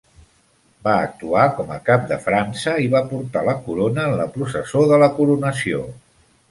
Va actuar com a cap de França, i va portar la corona en la processó de la coronació.